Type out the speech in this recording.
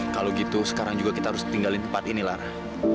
kalau gitu sekarang juga kita harus tinggalin tempat ini lara